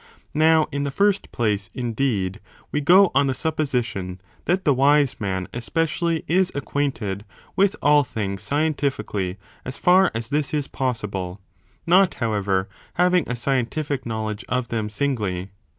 Now, in the first place, indeed, we go on the 2. Threefold pposition that the wise man, especidly, is ao J!?*^J5^!fL uainted with all things scientifically, as far as nitionofwise ' his is possible, not, however, having a scientific ""*• knowledge of them singly.